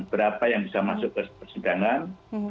berapa yang bisa masuk ke persidangan